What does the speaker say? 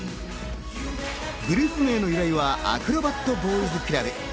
グループ名の由来はアクロバットボーイズクラブ。